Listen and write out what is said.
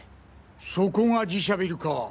そこが自社ビルか。